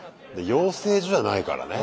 養成所じゃないからね。